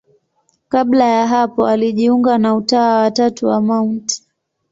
Kabla ya hapo alijiunga na Utawa wa Tatu wa Mt.